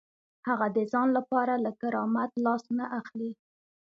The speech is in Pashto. هغه د ځان لپاره له کرامت لاس نه اخلي.